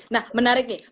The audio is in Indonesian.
nah menarik nih